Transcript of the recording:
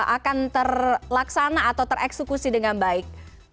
akan terlaksana atau tereksekusi dengan baik